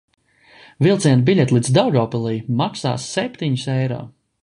Vilciena biļete līdz Daugavpilij maksā septiņus eiro.